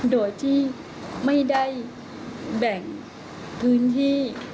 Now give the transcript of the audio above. โดยที่ไม่ได้แบ่งพื้นที่